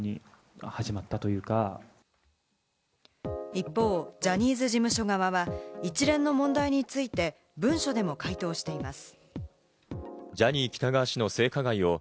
一方、ジャニーズ事務所側は一連の問題について、文書でも回答しています。